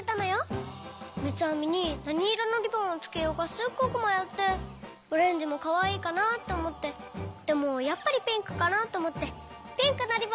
みつあみになにいろのリボンをつけようかすっごくまよってオレンジもかわいいかなっておもってでもやっぱりピンクかなっておもってピンクのリボンをつけました。